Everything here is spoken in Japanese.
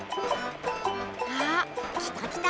あっきたきた！